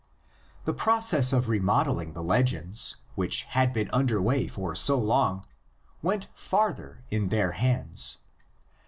The process of remodeling the legends, which had been under way for so long, went farther in their hands.